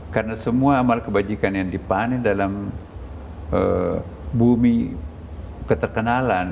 karena semua amal kebajikan yang dipanen dalam bumi ketidak terkenalan